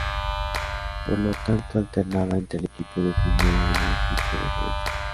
Por lo tanto alternaba entre el equipo de primera y el equipo de reserva.